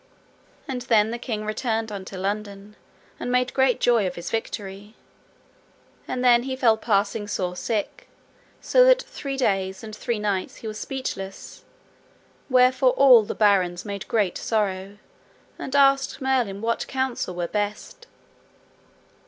And then the king returned unto London, and made great joy of his victory. And then he fell passing sore sick, so that three days and three nights he was speechless: wherefore all the barons made great sorrow, and asked Merlin what counsel were best.